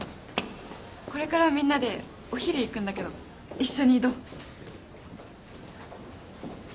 これからみんなでお昼行くんだけど一緒にどう？